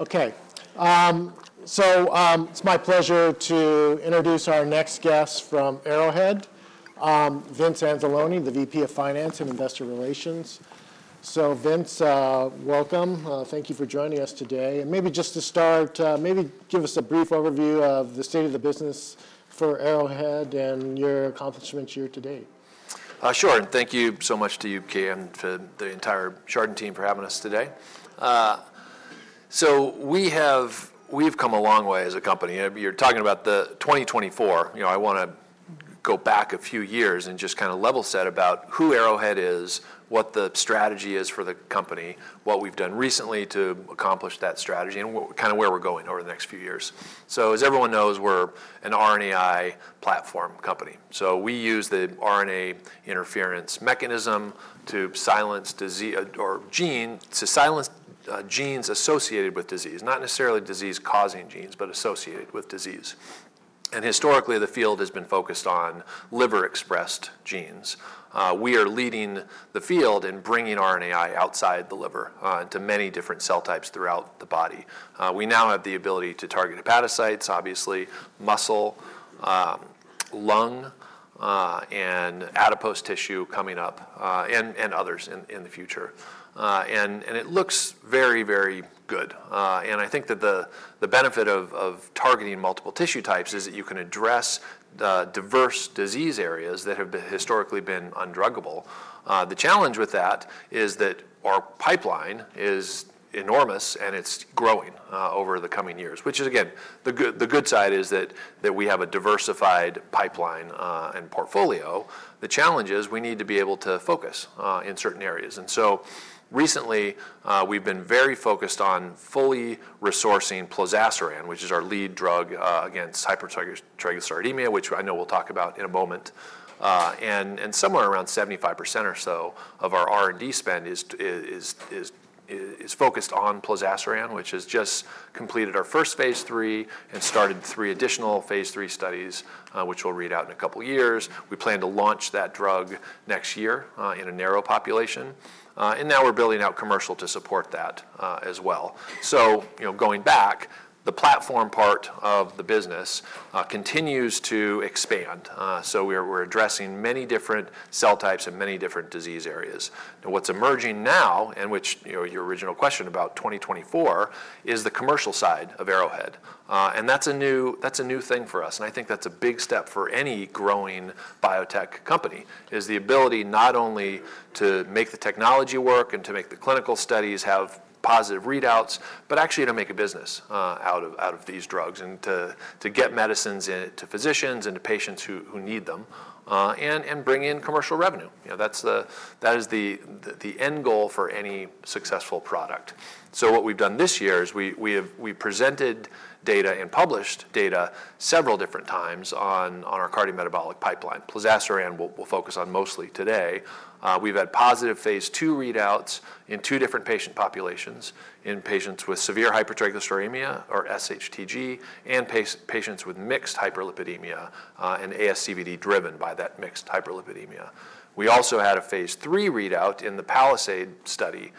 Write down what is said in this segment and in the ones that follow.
Okay. So, it's my pleasure to introduce our next guest from Arrowhead, Vince Anzalone, the VP of Finance and Investor Relations. So Vince, welcome. Thank you for joining us today, and maybe just to start, maybe give us a brief overview of the state of the business for Arrowhead and your accomplishments year-to-date. Sure, and thank you so much to you, Ken, and to the entire Chardan team for having us today. So we have come a long way as a company. You're talking about the 2024, you know, I wanna go back a few years and just kind of level set about who Arrowhead is, what the strategy is for the company, what we've done recently to accomplish that strategy, and kind of where we're going over the next few years. So as everyone knows, we're an RNAi platform company. So we use the RNA interference mechanism to silence genes associated with disease, not necessarily disease-causing genes, but associated with disease. Historically, the field has been focused on liver-expressed genes. We are leading the field in bringing RNAi outside the liver into many different cell types throughout the body. We now have the ability to target hepatocytes, obviously, muscle, lung, and adipose tissue coming up, and others in the future, and it looks very, very good, and I think that the benefit of targeting multiple tissue types is that you can address the diverse disease areas that have been historically undruggable. The challenge with that is that our pipeline is enormous, and it's growing over the coming years, which is again, the good side is that we have a diversified pipeline and portfolio. The challenge is we need to be able to focus in certain areas. And so recently, we've been very focused on fully resourcing plozasiran, which is our lead drug against hypertriglyceridemia, which I know we'll talk about in a moment. And somewhere around 75% or so of our R&D spend is focused on ploran, which has just completed our first phase III and started three additional phase III studies, which we'll read out in a couple of years. We plan to launch that drug next year in a narrow population, and now we're building out commercial to support that, as well. So, you know, going back, the platform part of the business continues to expand. So we're addressing many different cell types and many different disease areas. And what's emerging now, and which, you know, your original question about twenty twenty-four, is the commercial side of Arrowhead. And that's a new thing for us, and I think that's a big step for any growing biotech company, the ability not only to make the technology work and to make the clinical studies have positive readouts, but actually to make a business out of these drugs and to get medicines into physicians and to patients who need them, and bring in commercial revenue. You know, that's the... That is the end goal for any successful product. So what we've done this year is we have... We presented data and published data several different times on our cardiometabolic pipeline. Plozasiran, we'll focus on mostly today. We've had positive phase II readouts in two different patient populations, in patients with severe hypertriglyceridemia, or SHTG, and patients with mixed hyperlipidemia, and ASCVD driven by that mixed hyperlipidemia. We also had a phase III readout in the PALISADE study,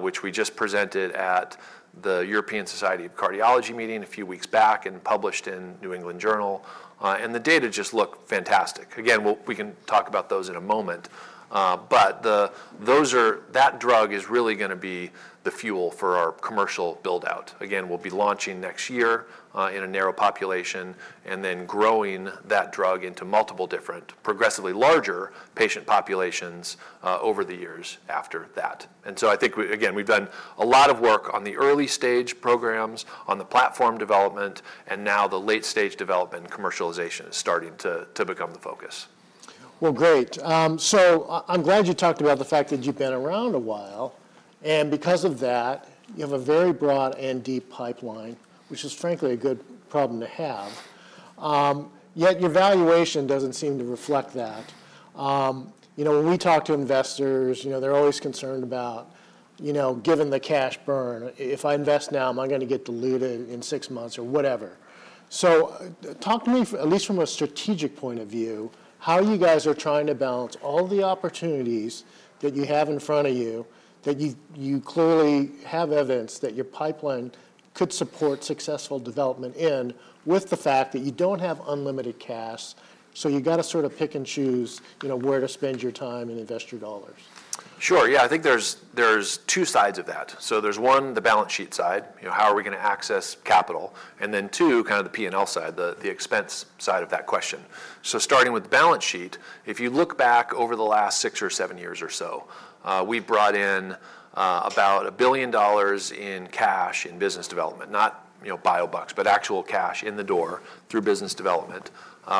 which we just presented at the European Society of Cardiology meeting a few weeks back and published in New England Journal of Medicine, and the data just looked fantastic. Again, we can talk about those in a moment, but that drug is really gonna be the fuel for our commercial build-out. Again, we'll be launching next year in a narrow population, and then growing that drug into multiple different progressively larger patient populations over the years after that. And so I think, again, we've done a lot of work on the early stage programs, on the platform development, and now the late-stage development and commercialization is starting to become the focus. Great. So I'm glad you talked about the fact that you've been around a while, and because of that, you have a very broad and deep pipeline, which is frankly a good problem to have. Yet your valuation doesn't seem to reflect that. You know, when we talk to investors, you know, they're always concerned about, you know, given the cash burn, "If I invest now, am I gonna get diluted in six months or whatever?" So, talk to me, at least from a strategic point of view, how you guys are trying to balance all the opportunities that you have in front of you, that you clearly have evidence that your pipeline could support successful development in, with the fact that you don't have unlimited cash, so you've got to sort of pick and choose, you know, where to spend your time and invest your dollars. Sure. Yeah, I think there's two sides of that. So there's one, the balance sheet side, you know, how are we gonna access capital? And then two, kind of the P&L side, the expense side of that question. So starting with the balance sheet, if you look back over the last six or seven years or so, we've brought in about $1 billion in cash in business development, not, you know, biobucks, but actual cash in the door through business development.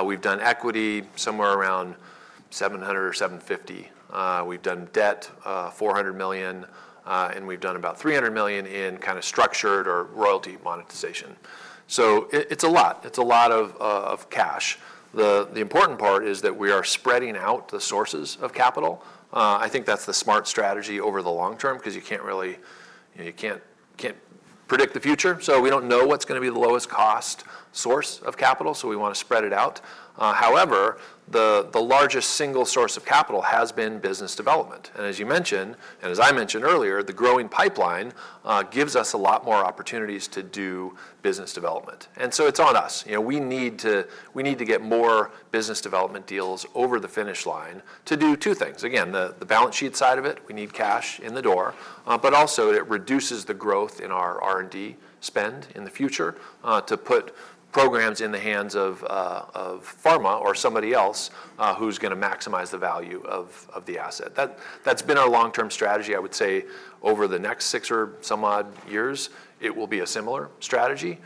We've done equity somewhere around $700 million or $750 million. We've done debt $400 million, and we've done about $300 million in kind of structured or royalty monetization. So it's a lot. It's a lot of cash. The important part is that we are spreading out the sources of capital. I think that's the smart strategy over the long term, 'cause you can't really, you know, you can't predict the future, so we don't know what's gonna be the lowest cost source of capital, so we wanna spread it out. However, the largest single source of capital has been business development, and as you mentioned, and as I mentioned earlier, the growing pipeline gives us a lot more opportunities to do business development. And so it's on us. You know, we need to get more business development deals over the finish line to do two things. Again, the balance sheet side of it, we need cash in the door, but also it reduces the growth in our R&D spend in the future, to put programs in the hands of pharma or somebody else, who's gonna maximize the value of the asset. That's been our long-term strategy. I would say over the next six or some odd years, it will be a similar strategy.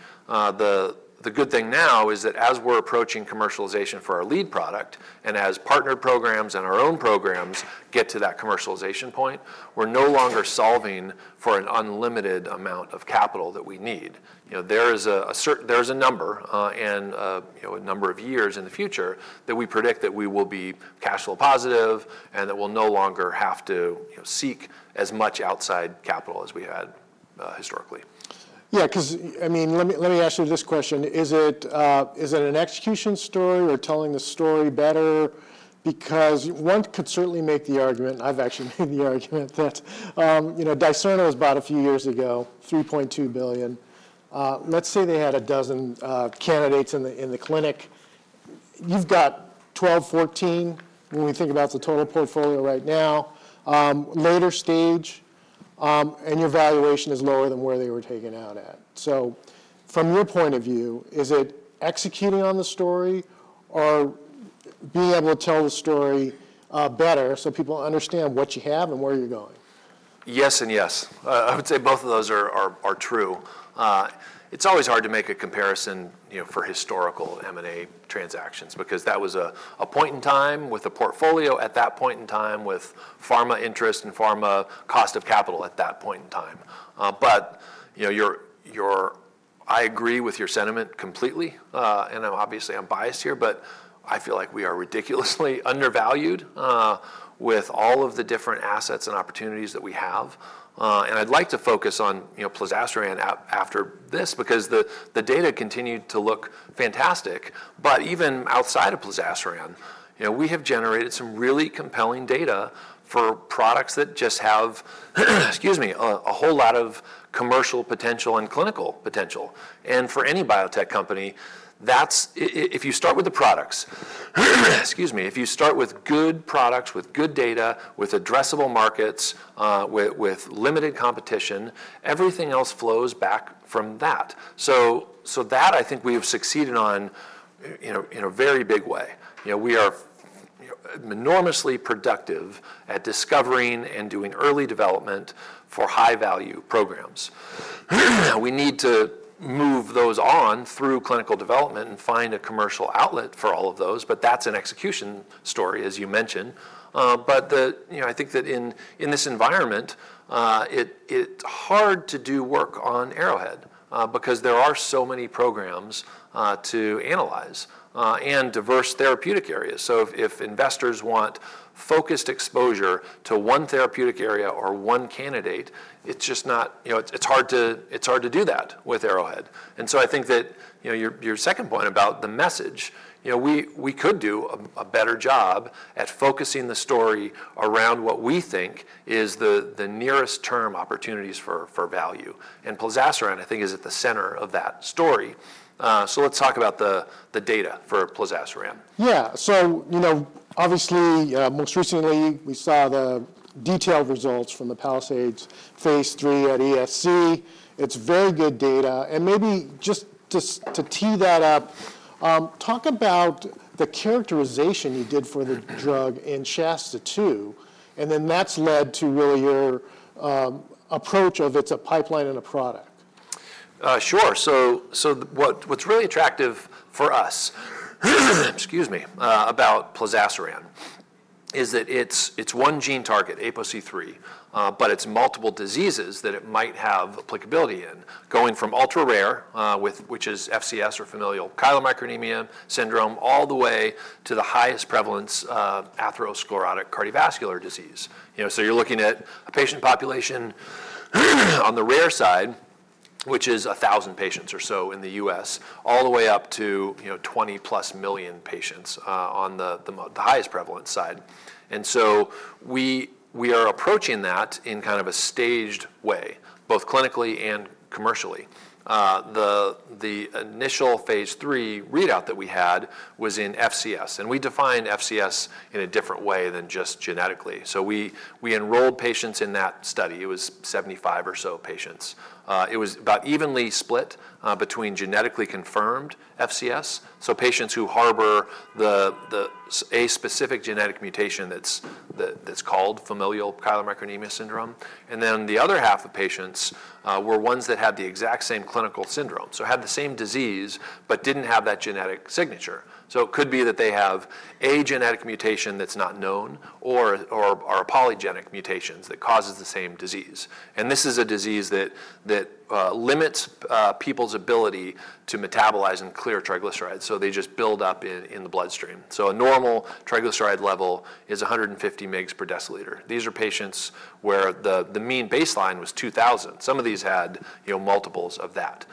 The good thing now is that as we're approaching commercialization for our lead product, and as partner programs and our own programs get to that commercialization point, we're no longer solving for an unlimited amount of capital that we need. You know, there's a number of years in the future that we predict that we will be cash flow positive and that we'll no longer have to, you know, seek as much outside capital as we had historically. Yeah, 'cause I mean, let me ask you this question: is it an execution story? We're telling the story better because one could certainly make the argument. I've actually made the argument that you know, Dicerna was bought a few years ago, $3.2 billion. Let's say they had a dozen candidates in the clinic. You've got 12, 14, when we think about the total portfolio right now, later stage, and your valuation is lower than where they were taken out at. So from your point of view, is it executing on the story or being able to tell the story better so people understand what you have and where you're going? Yes and yes. I would say both of those are true. It's always hard to make a comparison, you know, for historical M&A transactions because that was a point in time with a portfolio at that point in time with pharma interest and pharma cost of capital at that point in time. But, you know, you're I agree with your sentiment completely, and obviously I'm biased here, but I feel like we are ridiculously undervalued with all of the different assets and opportunities that we have. And I'd like to focus on, you know, plizaseran after this because the data continued to look fantastic, but even outside of plizaseran, you know, we have generated some really compelling data for products that just have, excuse me, a whole lot of commercial potential and clinical potential, and for any biotech company, that's if you start with the products, excuse me, if you start with good products, with good data, with addressable markets, with limited competition, everything else flows back from that. So that I think we have succeeded in a very big way. You know, we are enormously productive at discovering and doing early development for high-value programs. We need to move those on through clinical development and find a commercial outlet for all of those, but that's an execution story, as you mentioned. But the, you know, I think that in this environment, it's hard to do work on Arrowhead because there are so many programs to analyze and diverse therapeutic areas. If investors want focused exposure to one therapeutic area or one candidate, it's just not... you know, it's hard to do that with Arrowhead. And so I think that, you know, your second point about the message, you know, we could do a better job at focusing the story around what we think is the nearest term opportunities for value, and plizaseran, I think, is at the center of that story. Let's talk about the data for plizaseran. Yeah. So, you know, obviously, most recently, we saw the detailed results from the PALISADE phase 3 at ESC. It's very good data, and maybe just to tee that up, talk about the characterization you did for the drug in SHASTA 2, and then that's led to really your approach of it's a pipeline and a product. Sure. So what's really attractive for us, excuse me, about plizaseran is that it's one gene target, APOC3, but it's multiple diseases that it might have applicability in, going from ultra rare, which is FCS or familial chylomicronemia syndrome, all the way to the highest prevalence of atherosclerotic cardiovascular disease. You know, so you're looking at a patient population on the rare side, which is a thousand patients or so in the US, all the way up to, you know, twenty plus million patients on the highest prevalence side. We are approaching that in kind of a staged way, both clinically and commercially. The initial phase III readout that we had was in FCS, and we define FCS in a different way than just genetically. So we enrolled patients in that study. It was seventy-five or so patients. It was about evenly split between genetically confirmed FCS, so patients who harbor a specific genetic mutation that's called familial chylomicronemia syndrome. And then, the other half of the patients were ones that had the exact same clinical syndrome, so had the same disease, but didn't have that genetic signature. So it could be that they have a genetic mutation that's not known or polygenic mutations that causes the same disease. And this is a disease that limits people's ability to metabolize and clear triglycerides, so they just build up in the bloodstream. So a normal triglyceride level is a hundred and fifty mgs per deciliter. These are patients where the mean baseline was two thousand. Some of these had, you know, multiples of that.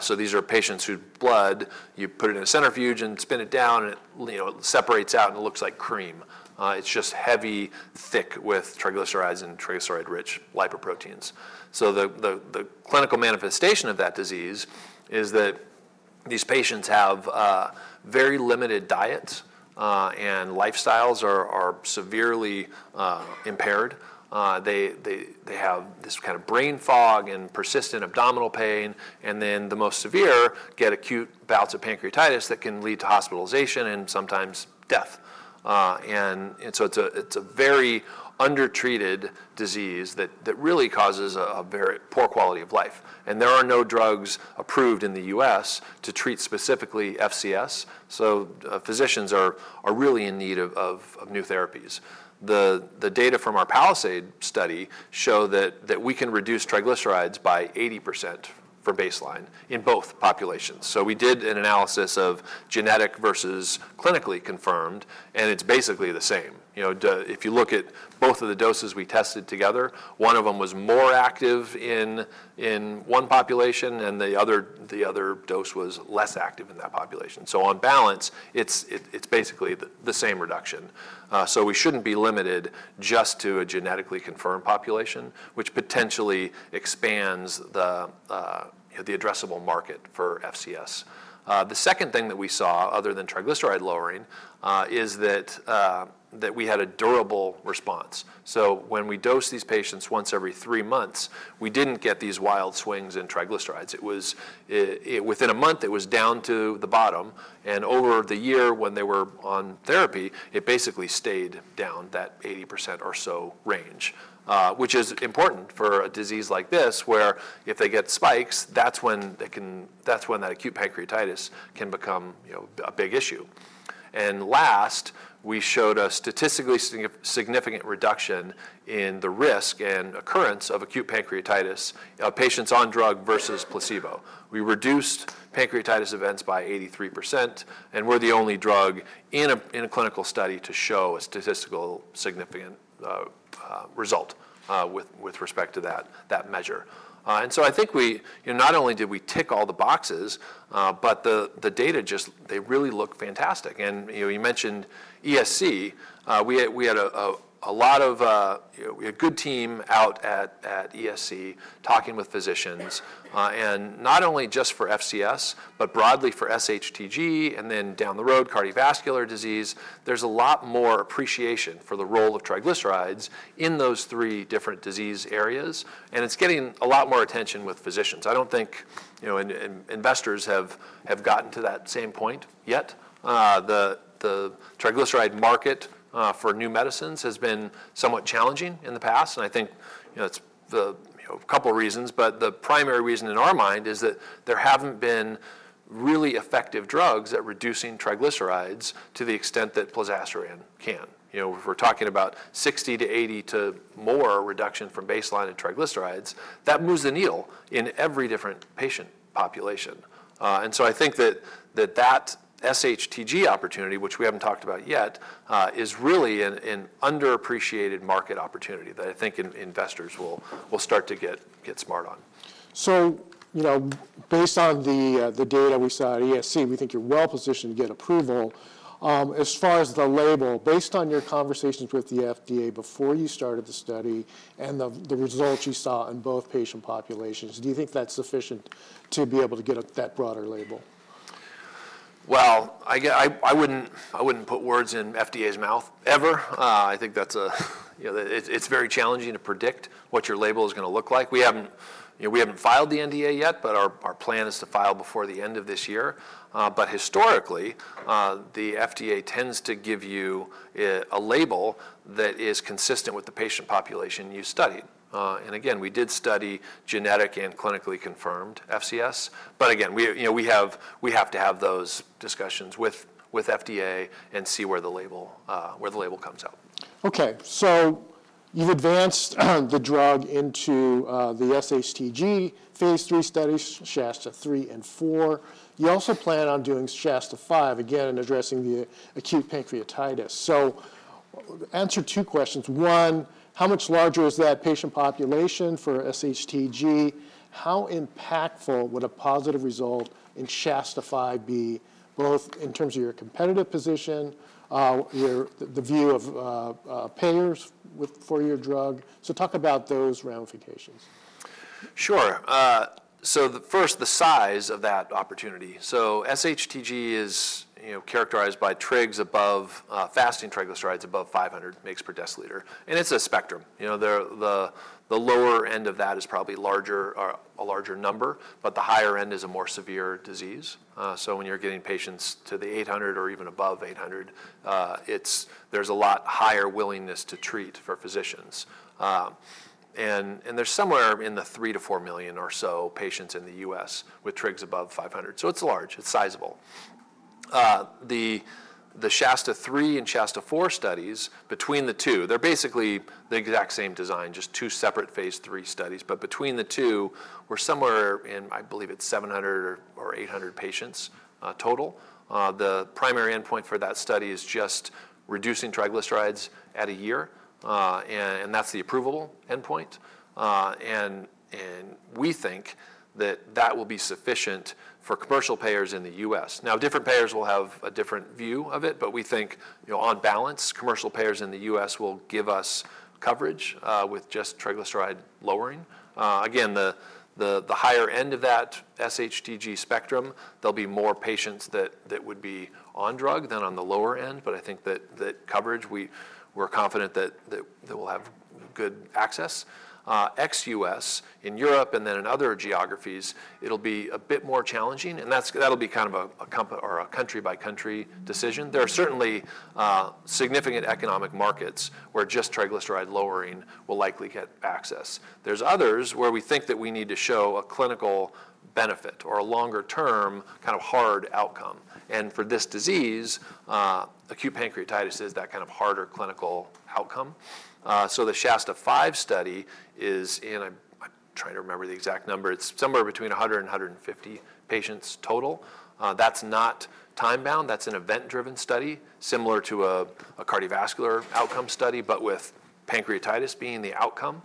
So these are patients whose blood, you put it in a centrifuge and spin it down, and it, you know, separates out and looks like cream. It's just heavy, thick with triglycerides and triglyceride-rich lipoproteins. The clinical manifestation of that disease is that these patients have very limited diets, and lifestyles are severely impaired. They have this kind of brain fog and persistent abdominal pain, and then the most severe get acute bouts of pancreatitis that can lead to hospitalization and sometimes death. And so it's a very undertreated disease that really causes a very poor quality of life, and there are no drugs approved in the U.S. to treat specifically FCS, so physicians are really in need of new therapies. The data from our PALISADE study show that we can reduce triglycerides by 80% from baseline in both populations. So we did an analysis of genetic versus clinically confirmed, and it's basically the same. You know, if you look at both of the doses we tested together, one of them was more active in one population, and the other dose was less active in that population. So on balance, it's basically the same reduction. So we shouldn't be limited just to a genetically confirmed population, which potentially expands the addressable market for FCS. The second thing that we saw, other than triglyceride lowering, is that we had a durable response. So when we dosed these patients once every three months, we didn't get these wild swings in triglycerides. It was within a month, it was down to the bottom, and over the year when they were on therapy, it basically stayed down that 80% or so range. Which is important for a disease like this, where if they get spikes, that's when they can... That's when that acute pancreatitis can become, you know, a big issue. And last, we showed a statistically significant reduction in the risk and occurrence of acute pancreatitis in patients on drug versus placebo. We reduced pancreatitis events by 83%, and we're the only drug in a clinical study to show a statistical significant result with respect to that measure. And so I think we... You know, not only did we tick all the boxes, but the data just... They really look fantastic. You know, you mentioned ESC. We had a good team out at ESC talking with physicians. And not only just for FCS, but broadly for SHTG, and then down the road, cardiovascular disease. There's a lot more appreciation for the role of triglycerides in those three different disease areas, and it's getting a lot more attention with physicians. I don't think, you know, investors have gotten to that same point yet. The triglyceride market for new medicines has been somewhat challenging in the past, and I think, you know, it's the, you know, a couple reasons, but the primary reason in our mind is that there haven't been really effective drugs at reducing triglycerides to the extent that plozasiran can. You know, if we're talking about 60 to 80 to more reduction from baseline in triglycerides, that moves the needle in every different patient population, and so I think that SHTG opportunity, which we haven't talked about yet, is really an underappreciated market opportunity that I think investors will start to get smart on. You know, based on the data we saw at ESC, we think you're well positioned to get approval. As far as the label, based on your conversations with the FDA before you started the study and the results you saw in both patient populations, do you think that's sufficient to be able to get that broader label? I wouldn't put words in FDA's mouth ever. I think that's a... You know, it's very challenging to predict what your label is gonna look like. We haven't, you know, we haven't filed the NDA yet, but our plan is to file before the end of this year. But historically, the FDA tends to give you a label that is consistent with the patient population you studied. And again, we did study genetic and clinically confirmed FCS, but again, we, you know, we have to have those discussions with FDA and see where the label comes out. Okay, so you've advanced the drug into the SHTG phase III studies, SHASTA 3 and 4. You also plan on doing SHASTA 5, again, addressing the acute pancreatitis. So answer two questions. One, how much larger was that patient population for SHTG? How impactful would a positive result in SHASTA 5 be, both in terms of your competitive position, the view of payers for your drug? So talk about those ramifications. Sure. So the first, the size of that opportunity, so SHTG is, you know, characterized by trigs above fasting triglycerides above 500 mg per deciliter, and it's a spectrum. You know, the lower end of that is probably larger, or a larger number, but the higher end is a more severe disease. So when you're getting patients to the 800 or even above 800, it's. There's a lot higher willingness to treat for physicians. And they're somewhere in the three to four million or so patients in the US with trigs above 500, so it's large, it's sizable. The SHASTA 3 and SHASTA 4 studies, between the two, they're basically the exact same design, just two separate phase III studies, but between the two, we're somewhere in, I believe it's 700 or 800 patients total. The primary endpoint for that study is just reducing triglycerides at a year, and that's the approvable endpoint. And we think that that will be sufficient for commercial payers in the US. Now, different payers will have a different view of it, but we think, you know, on balance, commercial payers in the US will give us coverage with just triglyceride lowering. Again, the higher end of that SHTG spectrum, there'll be more patients that would be on drug than on the lower end, but I think that coverage. We're confident that we'll have good access. Ex-US, in Europe and then in other geographies, it'll be a bit more challenging, and that'll be kind of a country by country decision. There are certainly significant economic markets where just triglyceride lowering will likely get access. There's others where we think that we need to show a clinical benefit or a longer term kind of hard outcome, and for this disease, acute pancreatitis is that kind of harder clinical outcome. So the SHASTA5 study is. I'm trying to remember the exact number. It's somewhere between 100 and 150 patients total. That's not time-bound. That's an event-driven study, similar to a cardiovascular outcome study, but with pancreatitis being the outcome.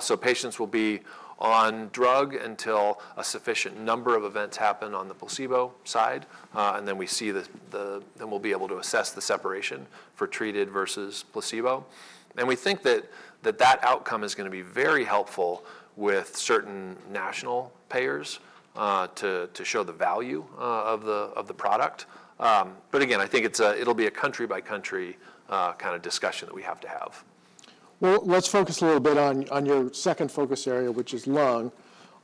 So patients will be on drug until a sufficient number of events happen on the placebo side, and then we'll be able to assess the separation for treated versus placebo. We think that outcome is gonna be very helpful with certain national payers, to show the value of the product. Again, I think it'll be a country by country kind of discussion that we have to have. Well, let's focus a little bit on your second focus area, which is lung.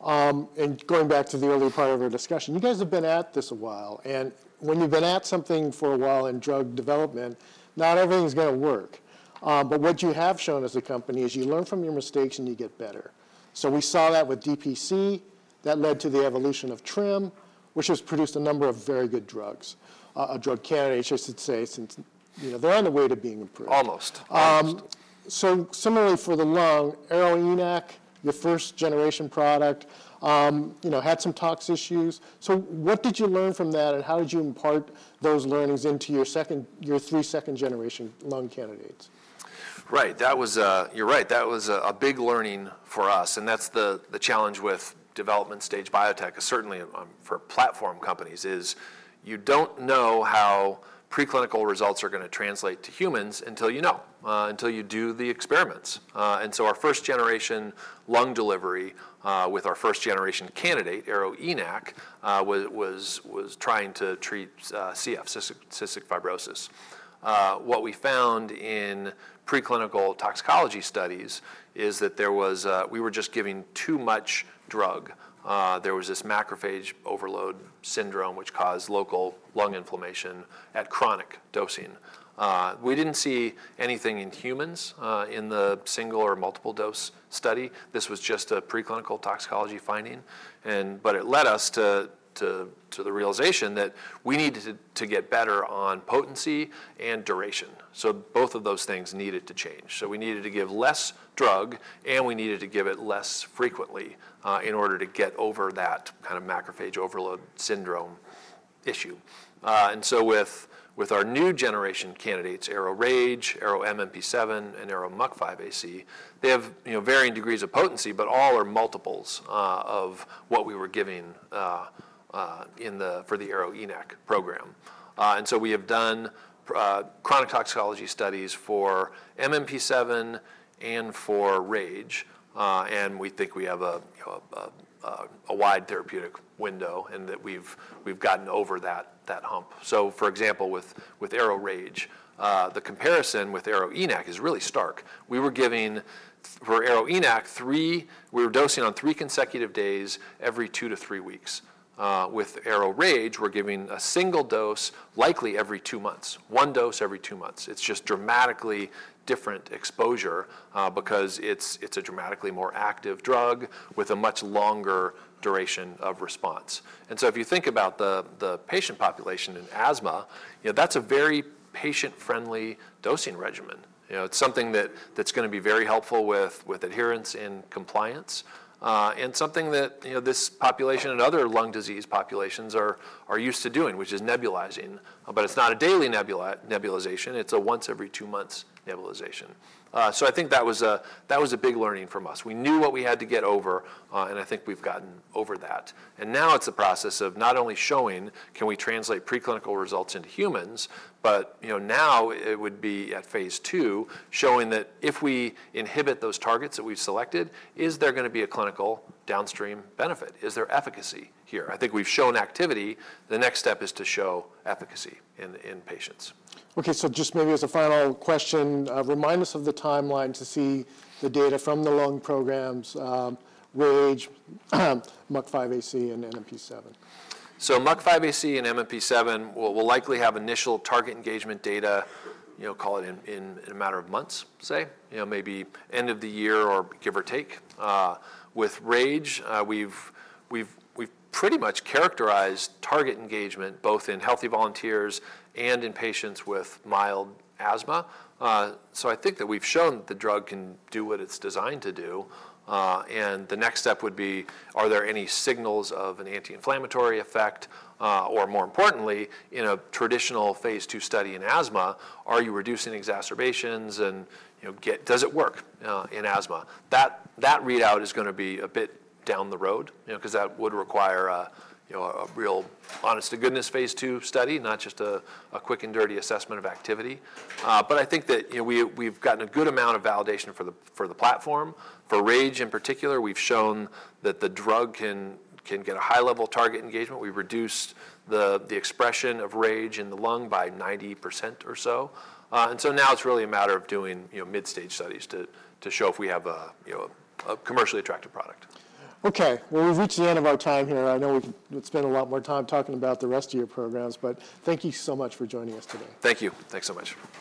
And going back to the early part of our discussion, you guys have been at this a while, and when you've been at something for a while in drug development, not everything's gonna work. But what you have shown as a company is you learn from your mistakes and you get better. So we saw that with DPC. That led to the evolution of TRiM, which has produced a number of very good drugs. A drug candidate, I should say, since, you know, they're on their way to being approved? Almost. Almost. So similarly for the lung, ARO-ENAC, your first-generation product, you know, had some tox issues. So what did you learn from that, and how did you impart those learnings into your three second-generation lung candidates? Right. That was... You're right, that was a big learning for us, and that's the challenge with development stage biotech, certainly for platform companies, is you don't know how preclinical results are gonna translate to humans until you know, until you do the experiments. And so our first generation lung delivery, with our first generation candidate, ARO-ENAC, was trying to treat CF, cystic fibrosis. What we found in preclinical toxicology studies is that there was. We were just giving too much drug. There was this macrophage overload syndrome, which caused local lung inflammation at chronic dosing. We didn't see anything in humans, in the single or multiple dose study. This was just a preclinical toxicology finding, but it led us to the realization that we needed to get better on potency and duration, so both of those things needed to change. So we needed to give less drug, and we needed to give it less frequently, in order to get over that kind of macrophage overload syndrome issue. And so with our new generation candidates, ARO-RAGE, ARO-MMP7, and ARO-MUC5AC, they have, you know, varying degrees of potency, but all are multiples of what we were giving for the ARO-ENAC program. And so we have done chronic toxicology studies for MMP7 and for RAGE, and we think we have a wide therapeutic window, and that we've gotten over that hump. So, for example, with ARO-RAGE, the comparison with ARO-ENAC is really stark. We were giving, for ARO-ENAC, we were dosing on three consecutive days every two to three weeks. With ARO-RAGE, we're giving a single dose likely every two months. One dose every two months. It's just dramatically different exposure, because it's a dramatically more active drug with a much longer duration of response. And so if you think about the patient population in asthma, you know, that's a very patient-friendly dosing regimen. You know, it's something that's gonna be very helpful with adherence and compliance, and something that, you know, this population and other lung disease populations are used to doing, which is nebulizing, but it's not a daily nebulization, it's a once every two months nebulization. So I think that was a big learning from us. We knew what we had to get over, and I think we've gotten over that. And now it's a process of not only showing can we translate preclinical results into humans, but, you know, now it would be at phase two, showing that if we inhibit those targets that we've selected, is there gonna be a clinical downstream benefit? Is there efficacy here? I think we've shown activity. The next step is to show efficacy in patients. Okay, so just maybe as a final question, remind us of the timeline to see the data from the lung programs, RAGE, MUC5AC, and MMP7? MUC5AC and MMP7 will likely have initial target engagement data, you know, call it in a matter of months, say. You know, maybe end of the year or give or take. With RAGE, we've pretty much characterized target engagement, both in healthy volunteers and in patients with mild asthma. So I think that we've shown the drug can do what it's designed to do, and the next step would be, are there any signals of an anti-inflammatory effect? Or more importantly, in a traditional phase two study in asthma, are you reducing exacerbations and, you know, does it work in asthma? That readout is gonna be a bit down the road, you know, 'cause that would require a, you know, a real honest-to-goodness phase two study, not just a quick and dirty assessment of activity. But I think that, you know, we've gotten a good amount of validation for the platform. For RAGE, in particular, we've shown that the drug can get a high level of target engagement. We've reduced the expression of RAGE in the lung by 90% or so. And so now it's really a matter of doing, you know, midstage studies to show if we have a, you know, a commercially attractive product. Okay. Well, we've reached the end of our time here. I know we could spend a lot more time talking about the rest of your programs, but thank you so much for joining us today. Thank you. Thanks so much.